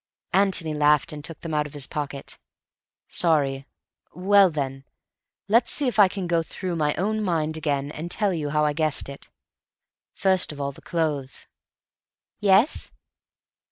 Antony laughed and took them out of his pocket. "Sorry.... Well then, let's see if I can go through my own mind again, and tell you how I guessed it. First of all, the clothes." "Yes?"